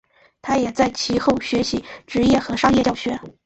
他也在其后学习职业和商业教学。